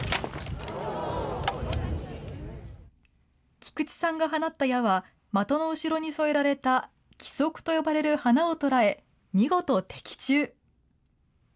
菊池さんが放った矢は、的の後ろに添えられた亀足と呼ばれる花を捉え、見事的中。